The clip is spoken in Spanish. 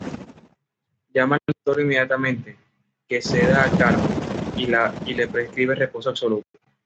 Llama al doctor inmediatamente, que seda a Carmen y le prescribe reposo absoluto.